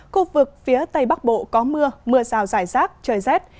khu vực phía tây bắc bộ có mưa mưa rào rải rác trời rét